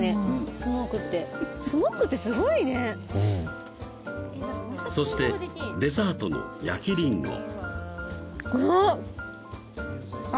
スモークってスモークってすごいねそしてデザートの焼きリンゴあっあ